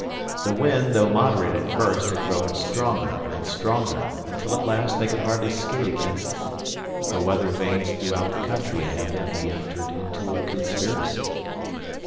The wind, though moderate at first, had grown stronger and stronger, until at last they could hardly skate against it. The weather vanes throughout the country had evidently entered into a conspiracy.